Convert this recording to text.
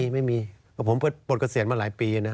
ไม่มีผมปลดเกษียณมาหลายปีนะ